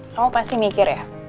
kamu pasti mikir ya